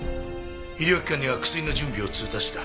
医療機関には薬の準備を通達した。